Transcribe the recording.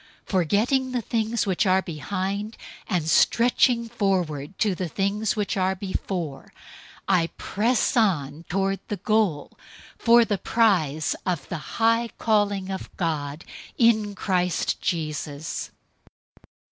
Forgetting the things which are behind, and stretching forward to the things which are before, 003:014 I press on toward the goal for the prize of the high calling of God in Christ Jesus.